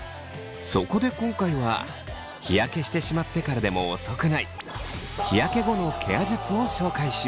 そこで今回は日焼けしてしまってからでも遅くない日焼け後のケア術を紹介します。